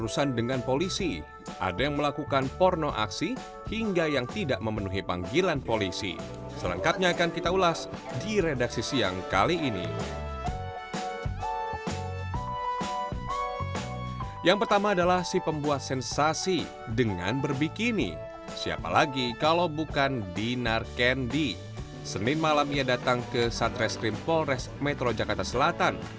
senin malam ia datang ke satreskrim polres metro jakarta selatan